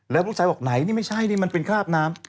แล้วลูกชายบอกไหนนี่ไม่ใช่นี่มันเป็นคราบน้ำ